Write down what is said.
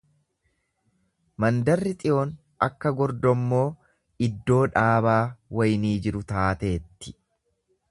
Mandarri Xiyoon akka gordommoo iddoo dhaabaa waynii jiru taateetti.